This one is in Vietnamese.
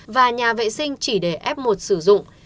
và nhà vệ sinh chỉ để f một sử dụng